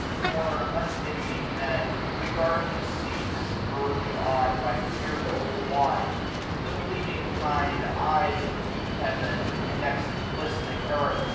And more unpitying Men, the garden seeks, 26a Urg'd on by fearless want. The bleating kind Eye the bleak heaven, and next the glistening earth.